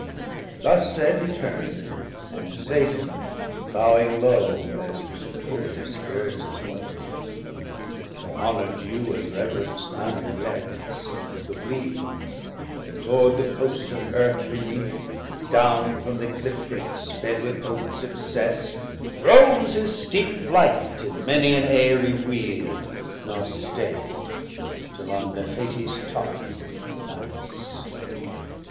Thus said, he turnd, and Satan bowing low, As to superior Spirits is wont in Heaven, Where honour due and reverence none neglects, Took leave, and toward the coast of Earth beneath, Down from th' Ecliptic, sped with hop'd success, 740 Throws his steep flight with many an Aerie wheele, Nor staid, till on Niphates top he lights.